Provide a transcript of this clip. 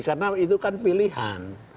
karena itu kan pilihan